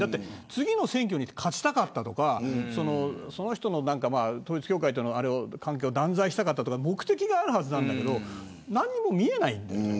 次の選挙に勝ちたかったとか旧統一教会との関係を断罪したかったとか目的があるはずなのに何も見えない。